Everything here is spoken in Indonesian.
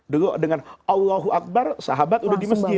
dulu dengan allahu akbar sahabat udah di masjid